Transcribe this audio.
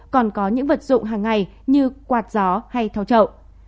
còn có những vật dụng hàng ngày như quạt gió hay thao trậu